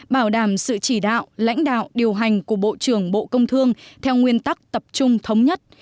bảo đảm sự chỉ đạo lãnh đạo điều hành của bộ trưởng bộ công thương theo nguyên tắc tập trung thống nhất